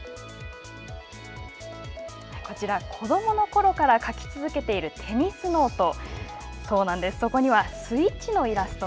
こちら、子どものころから書き続けているテニスノート。